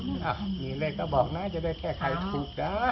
อู้ยยยนี่เลยก็บอกนะจะได้แค่ไพถูกนะ